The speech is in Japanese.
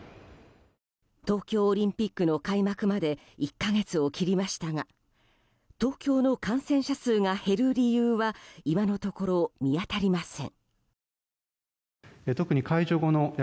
東京オリンピックの開幕まで１か月を切りましたが東京の感染者数が減る理由は今のところ見当たりません。